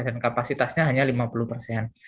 dan kapasitasnya hanya lima puluh persen